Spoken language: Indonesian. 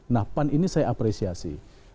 nah pan ini saya apresiasi